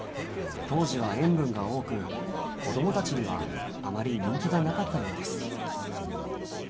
当時は塩分が多く子どもたちにはあまり人気がなかったようです。